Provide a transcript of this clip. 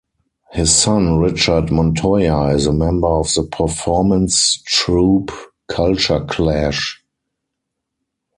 His son Richard Montoya is a member of the performance troupe Culture Clash.